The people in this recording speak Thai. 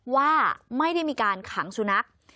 ว่าไม่ได้มีการขังสุนัข